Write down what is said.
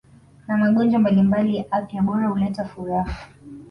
na magonjwa mbalimbali afya bora huleta furaha